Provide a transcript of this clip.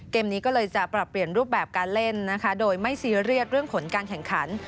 เกมนี้ก็เลยจะปรับเปลี่ยนรูปแบบการเล่นนะคะโดยไม่ซีเรียสเรื่องผลการแข่งขัน